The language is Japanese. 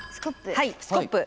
はいスコップ。